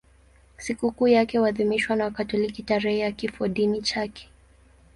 Sikukuu yake huadhimishwa na Wakatoliki tarehe ya kifodini chake.